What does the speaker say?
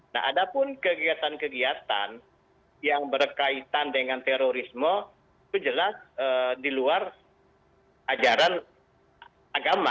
nah ada pun kegiatan kegiatan yang berkaitan dengan terorisme itu jelas di luar ajaran agama